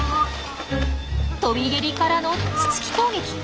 飛び蹴りからのつつき攻撃！